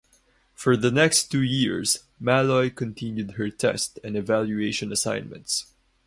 For the next two years, "Maloy" continued her test and evaluation assignments.